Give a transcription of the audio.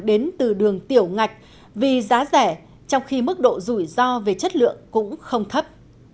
đến từ đường tiểu ngạch vì giá rẻ trong khi mức độ rủi ro về chất lượng cũng không thấp